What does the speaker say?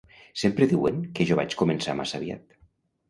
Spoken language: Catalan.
Sempre diuen que jo vaig començar massa aviat.